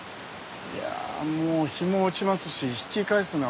いやあもう日も落ちますし引き返すのは危険ですよ。